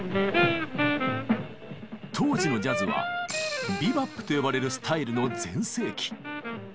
当時のジャズは「ビバップ」と呼ばれるスタイルの全盛期。